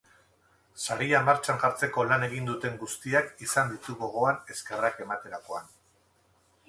Saria martxan jartzeko lan egin duten guztiak izan ditu gogoan eskerrak ematerakoan.